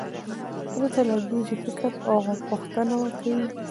پرته له دې چې فکر او پوښتنه وکړي.